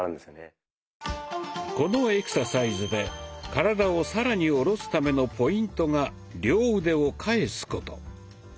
このエクササイズで体を更に下ろすためのポイントが両腕を返すこと。